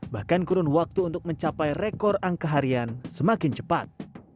bahkan kurun waktu untuk mencapai rekor angka harian semakin cepat